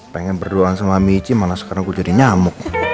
pengen berdoa sama michi malah sekarang gue jadi nyamuk